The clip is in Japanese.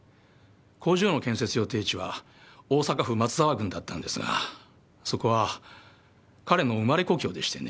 工場の建設予定地は大阪府松沢郡だったんですがそこは彼の生まれ故郷でしてね。